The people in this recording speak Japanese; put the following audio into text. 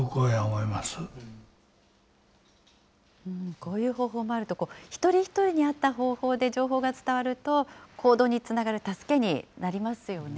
こういう方法もあると、一人一人に合った方法で情報が伝わると、行動につながる助けになりますよね。